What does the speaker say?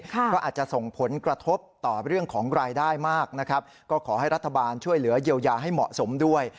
ก็อาจจะส่งผลกระทบต่อเรื่องของรายได้มากนะครับก็ขอให้รัฐบาลช่วยเหลือเยียวยาให้เหมาะสมด้วย